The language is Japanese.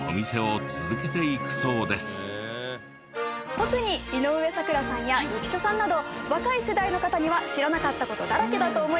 特に井上咲楽さんや浮所さんなど若い世代の方には知らなかった事だらけだと思います。